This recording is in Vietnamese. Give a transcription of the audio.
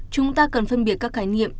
chúng ta cần phân biệt các khái nghiệm